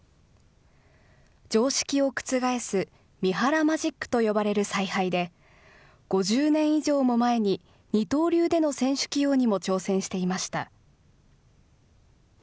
常識を覆す、三原マジックと呼ばれる采配で、５０年以上も前に二刀流での選手起用にも挑戦していました。